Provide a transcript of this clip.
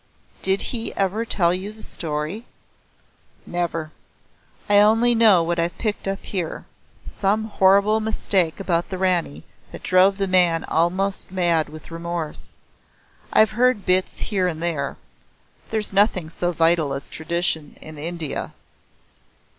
"Did he ever tell you the story?" "Never. I only know what I've picked up here. Some horrible mistake about the Rani that drove the man almost mad with remorse. I've heard bits here and there. There's nothing so vital as tradition in India."